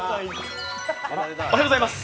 おはようございます。